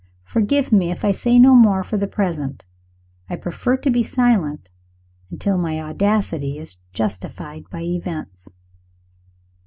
Forgive me, if I say no more for the present. I prefer to be silent, until my audacity is justified by events.